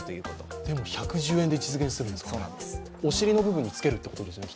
でも１１０円で実現してるんですかお尻の部分につけるということですよね？